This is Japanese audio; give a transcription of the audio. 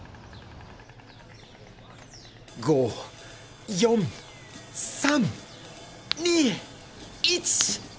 ５・４・３・２・１